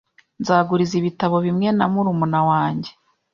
Nzaguriza ibitabo bimwe na murumuna wanjye.